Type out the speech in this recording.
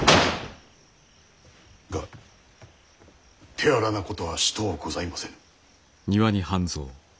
が手荒なことはしとうございませぬ。